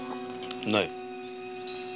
ない。